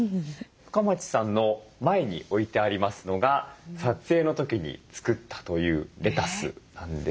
深町さんの前に置いてありますのが撮影の時に作ったというレタスなんです。